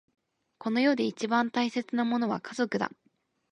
この世で一番大切なものは家族だ。